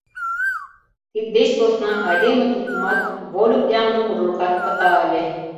Тиддеч посна айдеме тукымат, вольык-янлык урлыкат пыта ыле.